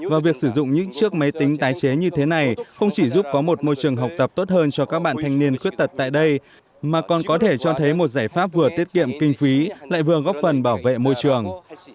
và việc sử dụng những chiếc máy tính tái chế như thế này không chỉ giúp có một môi trường học tập tốt hơn cho các bạn thanh niên khuyết tật tại đây mà còn có thể cho thấy một giải pháp vừa tiết kiệm kinh phí lại vừa góp phần bảo vệ môi trường